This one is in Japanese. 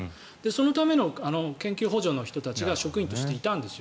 そのための研究補助の人たちが職員としていたんです。